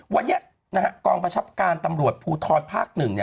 วันนี้กองประชับการตำรวจภูทรภาค๑